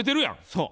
そう。